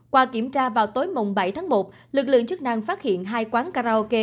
qua kiểm tra vào tối bảy tháng một lực lượng chức năng phát hiện hai quán karaoke